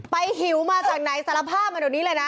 หิวมาจากไหนสารภาพมาเดี๋ยวนี้เลยนะ